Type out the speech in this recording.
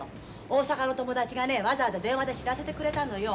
大阪の友達がねわざわざ電話で知らせてくれたのよ。